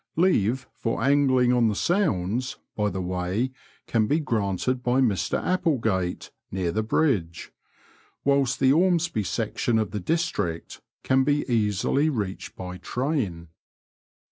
(leave for angling on the Sounds, by the way, can be granted by Mr Applegate, near the bridge), whilst the Ormesby section of the district can be easily reached by train.